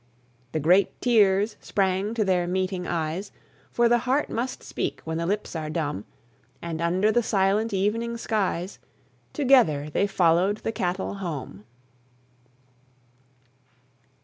The great tears sprang to their meeting eyes; For the heart must speak when the lips are dumb, And under the silent evening skies Together they followed the cattle home.